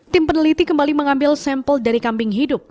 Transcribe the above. tim peneliti kembali mengambil sampel dari kambing hidup